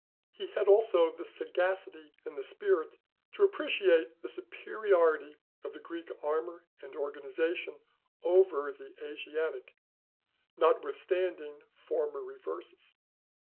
He had also the sagacity and the spirit to appreciate the superiority of the Greek armor and organization over the Asiatic, notwithstanding former reverses.